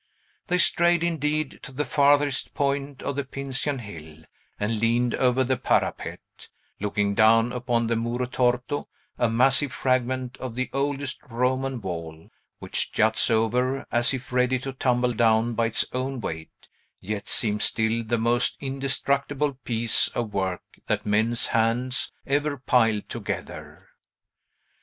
They strayed, indeed, to the farthest point of the Pincian Hill, and leaned over the parapet, looking down upon the Muro Torto, a massive fragment of the oldest Roman wall, which juts over, as if ready to tumble down by its own weight, yet seems still the most indestructible piece of work that men's hands ever piled together.